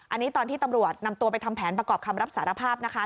อันนี้ตอนที่ตำรวจนำตัวไปทำแผนประกอบคำรับสารภาพนะคะ